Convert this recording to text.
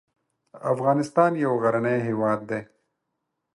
افغانستان یو غرنی هیواد دی